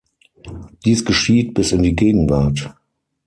Dies geschieht bis in die Gegenwart.